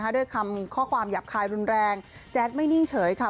ด้วยคำข้อความหยาบคายรุนแรงแจ๊ดไม่นิ่งเฉยค่ะ